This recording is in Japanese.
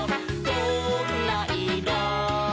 「どんないろ？」